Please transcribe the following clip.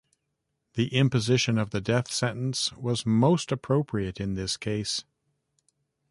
The imposition of the death sentence was most appropriate in this case.